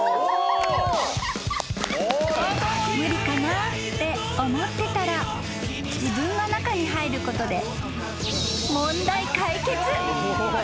［無理かなって思ってたら自分が中に入ることで］